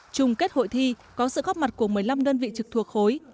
chung kết hội thi có sự góp mặt của một mươi năm đơn vị trực thuộc khối